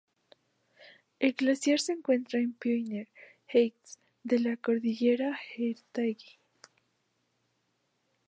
El glaciar se encuentra en Pioneer Heights de la cordillera Heritage.